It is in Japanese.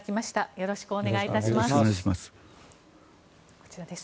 よろしくお願いします。